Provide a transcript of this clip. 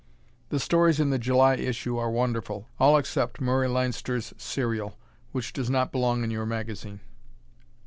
The stories in the July issue are wonderful, all except Murray Leinster's serial, which does not belong in your magazine.